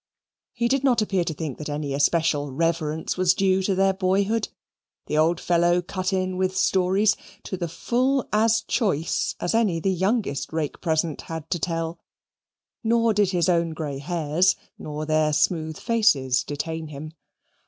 He did not appear to think that any especial reverence was due to their boyhood; the old fellow cut in with stories, to the full as choice as any the youngest rake present had to tell nor did his own grey hairs nor their smooth faces detain him.